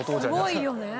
すごいよね。